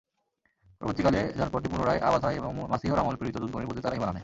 পরবর্তীকালে জনপদটি পুনরায় আবাদ হয় এবং মাসীহর আমলে প্রেরিত দূতগণের প্রতি তারা ঈমান আনে।